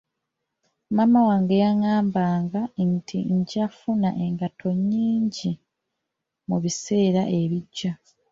Maama wange yangambanga nti nja kufuna engatto nyingi mu biseera ebijja.